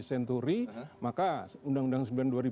senturi maka undang undang